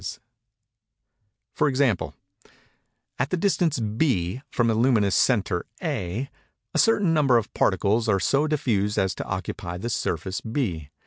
For example: at the distance B, from the luminous centre A, a certain number of particles are so diffused as to occupy the surface B.